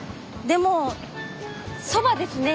でもそばですね。